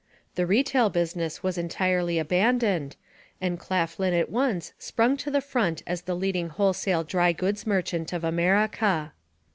The retail business was entirely abandoned, and Claflin at once sprung to the front as the leading wholesale dry goods merchant of America.